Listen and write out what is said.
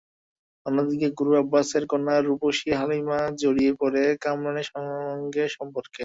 অন্যদিকে, গুরু আব্বাসের কন্যা রূপসী হালিমা জড়িয়ে পড়ে কামরানের সঙ্গে সম্পর্কে।